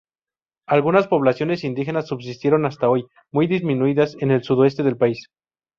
Algunas poblaciones indígenas subsistieron hasta hoy, muy disminuidas, en el sudoeste del país.